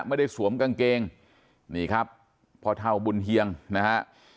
สวมกางเกงนี่ครับพ่อเท่าบุญเฮียงนะฮะ